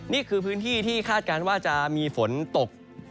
นี่คือพื้นที่ที่คาดการณ์ว่าจะมีฝนตก